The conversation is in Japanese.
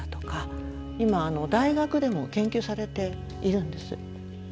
今大学でも研究されているんです。